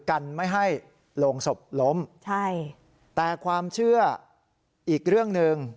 กันไม่ให้โรงศพล้มใช่แต่ความเชื่ออีกเรื่องหนึ่ง